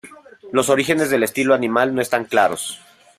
Los orígenes del estilo animal no están claros.